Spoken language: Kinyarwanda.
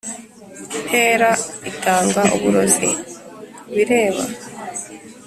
intera itanga uburozi kubireba